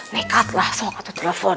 nekat lah sok aku telepon